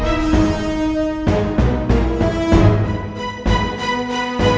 kamar itu akan jadi